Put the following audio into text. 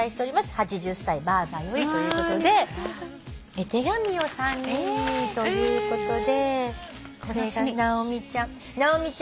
「８０才ばあばより」ということで絵手紙を３人にということでこれが直美ちゃん。